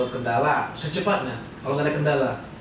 kedalah secepatnya kalau enggak ada kendala